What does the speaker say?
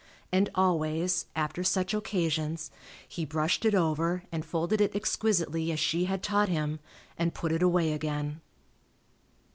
And always, after such occasions, he brushed it over and folded it exquisitely as she had taught him, and put it away again.